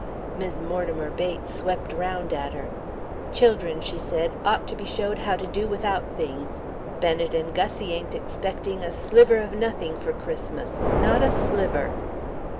Mis' Mortimer Bates swept round at her. "Children," she said, "ought to be showed how to do without things. Bennet and Gussie ain't expecting a sliver of nothing for Christmas not a sliver."